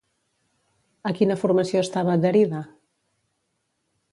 A quina formació estava adherida?